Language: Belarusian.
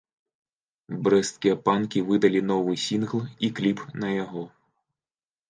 Брэсцкія панкі выдалі новы сінгл і кліп на яго.